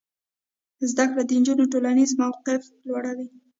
زده کړه د نجونو ټولنیز موقف لوړوي.